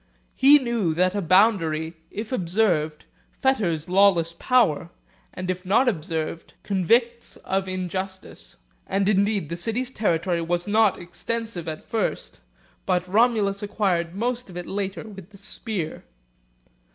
He knew that a boundary, if observed, fetters lawless power; and if not observed, convicts of injustice. And indeed the city's territory was not extensive at first, but Romulus acquired most of it later with the spear.